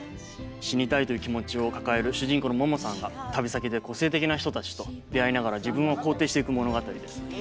「死にたい」という気持ちを抱える主人公のももさんが旅先で個性的な人たちと出会いながら自分を肯定していく物語です。